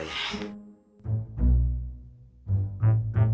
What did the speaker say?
cik cik mahmud cik